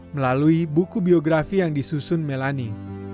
melalui buku biografi yang disusun melani